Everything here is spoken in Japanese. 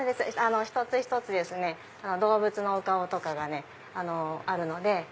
一つ一つ動物のお顔とかがある。